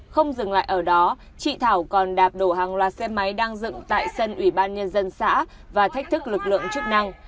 không dừng lại ở đó chị thảo còn đạp đổ hàng loạt xe máy đang dựng tại sân ủy ban nhân dân xã và thách thức lực lượng chức năng